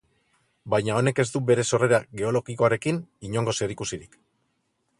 Baina honek ez du bere sorrera geologikoarekin inongo zerikusirik.